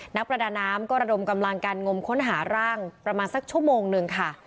นักประดาน้ำก็ระดมกำลังการงมค้นหาร่างประมาณสักชั่วโมงหนึ่งค่ะ